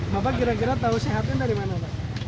bapak kira kira tahu sehatnya dari mana pak